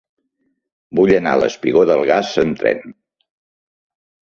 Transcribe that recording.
Vull anar al espigó del Gas amb tren.